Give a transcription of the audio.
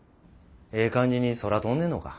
ええ感じに空飛んでんのか？